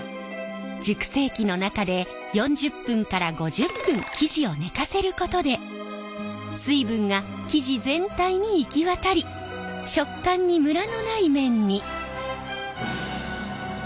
熟成機の中で４０分から５０分生地を寝かせることで水分が生地全体に行き渡り食感にムラのない麺に。